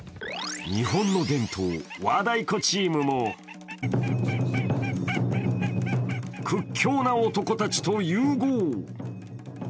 日本の伝統、和太鼓チームも屈強な男たちと融合。